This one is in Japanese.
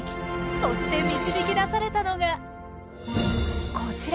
そして導き出されたのがこちら。